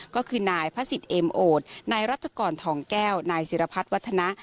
ก็คือนายพระศิษย์เอ็มโอทนายรัฐกรทองแก้วนายศิรพัฒน์วัฒนะ